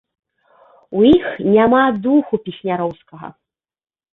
У іх няма духу песняроўскага.